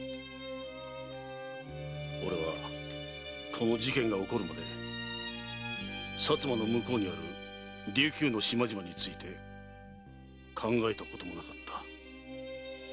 俺はこの事件が起こるまで薩摩の向こうにある琉球の島々について考えたこともなかった。